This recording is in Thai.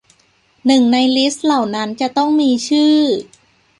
หนึ่งในลิสต์เหล่านั้นจะต้องมีชื่อ